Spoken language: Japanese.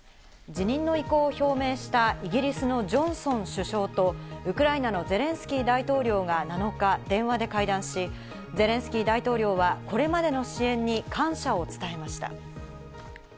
辞任の意向を表明したイギリスのジョンソン首相とウクライナのゼレンスキー大統領が７日、電話で会談し、ゼレンスキー大統領はこれまでの支援に感謝を伝えました。